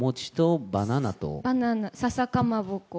バナナ、笹かまぼこ。